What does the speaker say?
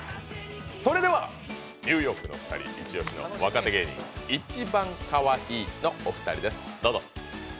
それではニューヨークのお二人、一押しの若手芸人いちばんかわいいのお二人ですどうぞ。